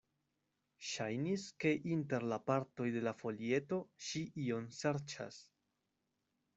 Ŝajnis, ke inter la partoj de la folieto ŝi ion serĉas.